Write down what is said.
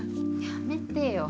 やめてよ。